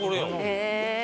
へえ！